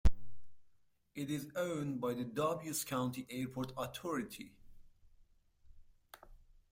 It is owned by the Dubois County Airport Authority.